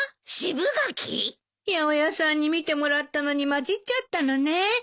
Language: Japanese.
八百屋さんに見てもらったのに交じっちゃったのね。